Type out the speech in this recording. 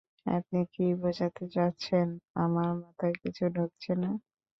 আপনি কী বুঝাতে চাচ্ছেন আমার মাথায় কিছু ঢুকছে না।